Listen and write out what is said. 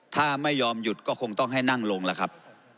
ถ้าไม่ยอมหยุดก็คงต้องให้นั่งลงแล้วครับ